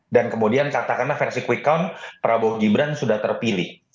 kemudian katakanlah versi quick count prabowo gibran sudah terpilih